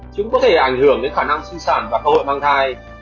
chúng có thể ảnh hưởng đến khả năng sinh sản và cơ hội mang thai